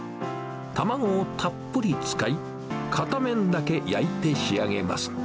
卵をたっぷり使い、片面だけ焼いて仕上げます。